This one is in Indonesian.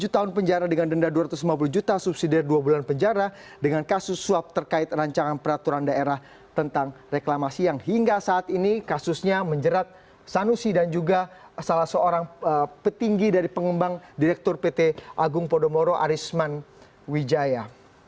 tujuh tahun penjara dengan denda dua ratus lima puluh juta subsidi dua bulan penjara dengan kasus suap terkait rancangan peraturan daerah tentang reklamasi yang hingga saat ini kasusnya menjerat sanusi dan juga salah seorang petinggi dari pengembang direktur pt agung podomoro arisman wijaya